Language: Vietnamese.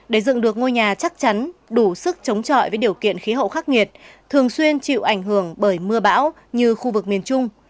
để dựng được ngôi nhà chắc chắn đủ sức chống trọi với điều kiện khí hậu khắc nghiệt thường xuyên chịu ảnh hưởng bởi mưa bão như khu vực miền trung